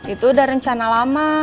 itu udah rencana lama